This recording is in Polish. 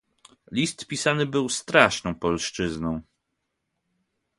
"List pisany był straszną polszczyzną."